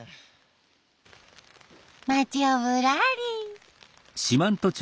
町をぶらり。